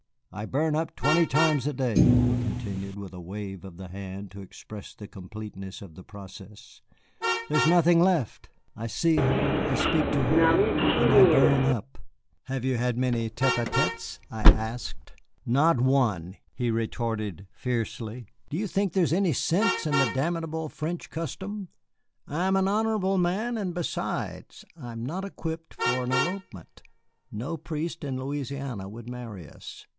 "I burn up twenty times a day," he continued, with a wave of the hand to express the completeness of the process; "there is nothing left. I see her, I speak to her, and I burn up." "Have you had many tête à têtes?" I asked. "Not one," he retorted fiercely; "do you think there is any sense in the damnable French custom? I am an honorable man, and, besides, I am not equipped for an elopement. No priest in Louisiana would marry us.